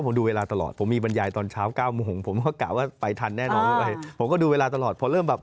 เหยื่อจะจับเวลาตลอด